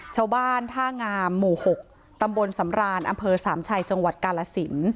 ชาวบ้านท่างามหมู่๖ตำบลสำรานอำเภอสามชัยจังหวัดกาลสิน